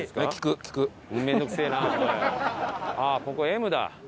ああここ「Ｍ」だ。